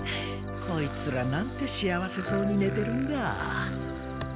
こいつらなんて幸せそうにねてるんだ。